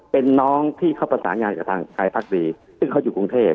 เป็นน้องที่เขาประสานงานกับทางไทยพักดีซึ่งเขาอยู่กรุงเทพ